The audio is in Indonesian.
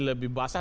ini lebih basah